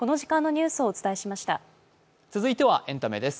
続いてはエンタメです。